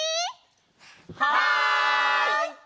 はい！